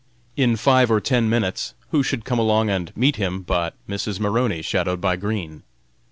In five or ten minutes, who should come along and meet him but Mrs. Maroney, shadowed by Green?